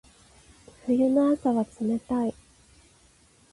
冬の朝は冷たい。